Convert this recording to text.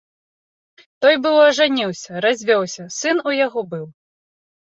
Той быў ажаніўся, развёўся, сын у яго быў.